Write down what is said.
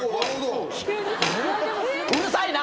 うるさいな！